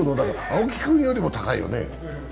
青木君より高いですね。